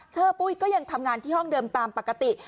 ปุ้ยก็ยังทำงานที่ห้องเดิมตามปกติ